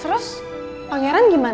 terus pangeran gimana